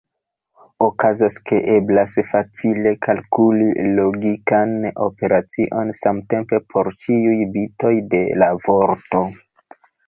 Okazas ke eblas facile kalkuli logikan operacion samtempe por ĉiuj bitoj de la vorto.